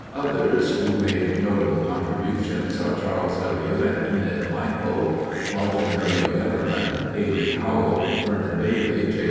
Others who made notable contributions are Charles W. and Enid Michael, Barton W. Evermann, A. B. Howell, Vernon Bailey, J.